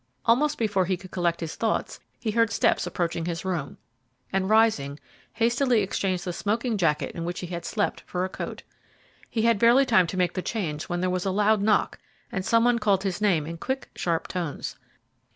Almost before he could collect his thoughts, he heard steps approaching his room, and, rising, hastily exchanged the smoking jacket in which he had slept for a coat. He had barely time to make the change when there was a loud knock, and some one called his name in quick, sharp tones.